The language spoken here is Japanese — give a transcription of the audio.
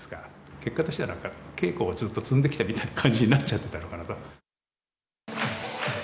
結果としてはなんか、稽古をずっと積んできたみたいな感じになっちゃってたのか。